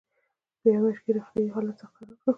په یوه میاشت کې یې روغتیایي حالت سخت خراب شو.